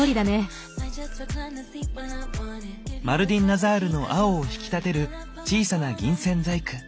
マルディンナザールの青を引き立てる小さな銀線細工。